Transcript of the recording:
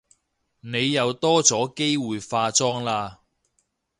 你又多咗機會化妝喇